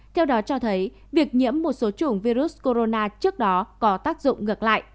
theo đó cho thấy việc nhiễm một số chủng virus corona trước đó có tác dụng